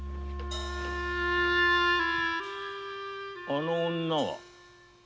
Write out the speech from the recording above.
あの女は？